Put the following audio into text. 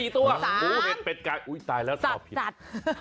๔ตัวหมูเห็ดเป็ดไก่อุ๊ยตายแล้วตอบผิด